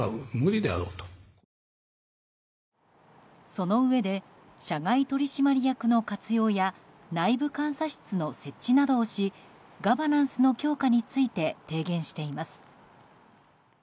そのうえで社外取締役の活用や内部監査室の設置などしガバナンスの強化について提言しています。